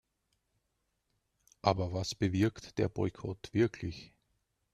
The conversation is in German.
Aber was bewirkt der Boykott wirklich?